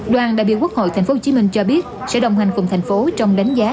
đoàn đại biểu quốc hội thành phố hồ chí minh cho biết sẽ đồng hành cùng thành phố trong đánh giá